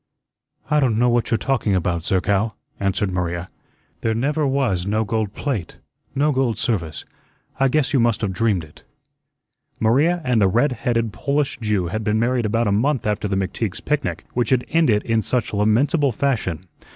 "I don't know what you're talking about, Zerkow," answered Maria. "There never was no gold plate, no gold service. I guess you must have dreamed it." Maria and the red headed Polish Jew had been married about a month after the McTeague's picnic which had ended in such lamentable fashion.